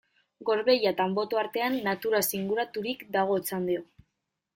Gorbeia eta Anboto artean, naturaz inguraturik dago Otxandio.